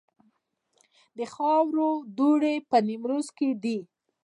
د خاورو دوړې په نیمروز کې دي